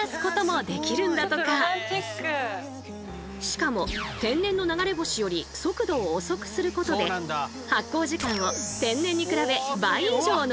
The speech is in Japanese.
しかも天然の流れ星より速度を遅くすることで発光時間を天然に比べ倍以上伸ばすことに成功！